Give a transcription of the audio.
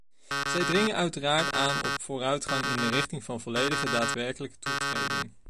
Zij dringen uiteraard aan op vooruitgang in de richting van volledige daadwerkelijke toetreding.